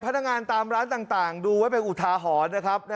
พนักงานตามร้านต่างดูไว้เป็นอุทาหรณ์นะครับ